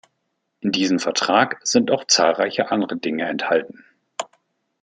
In diesem Vertrag sind auch zahlreiche andere Dinge enthalten.